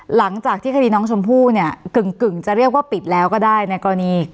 หลังจากที่คดีน้องชมพู่เนี่ยกึ่งจะเรียกว่าปิดแล้วก็ได้ในกรณี